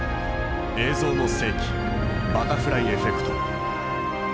「映像の世紀バタフライエフェクト」。